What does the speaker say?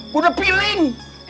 gue udah piling